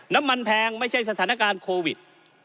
น้ำมันแพงไม่ใช่สถานการณ์โควิด